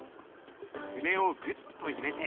筆をグッと入れて。